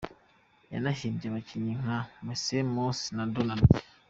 Yanahimbye abakinnyi nka Micey mouse na Donald.